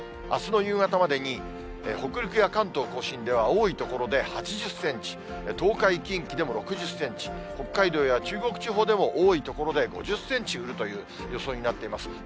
あすの夕方までに、北陸や関東甲信では多い所で８０センチ、東海、近畿でも６０センチ、北海道や中国地方でも、多い所で５０センチ降るという予想になっています。